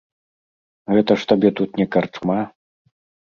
Гэта ж табе тут не карчма!